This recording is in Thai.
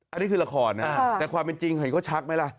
อันนี้คือละครนะแต่ความเป็นจริงเห็นเขาชักไหมล่ะ